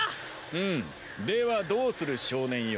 ふむではどうする少年よ。